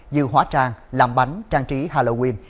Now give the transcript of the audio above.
như hóa trang làm bánh trang trí halloween